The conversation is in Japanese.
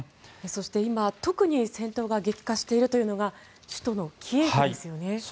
そして今、特に戦闘が激化しているというのが首都のキエフですよね。